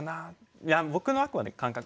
いや僕のあくまで感覚。